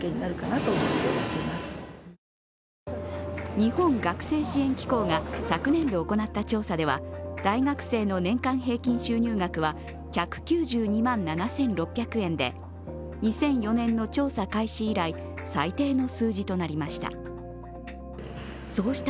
日本学生支援機構が昨年度行った調査では大学生の年間平均収入額は１９２万７６００円で２００４年の調査開始以来最低の数字となりました。